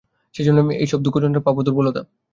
সেই জন্যই এত সব দুঃখ যন্ত্রণা পাপ ও দুর্বলতা।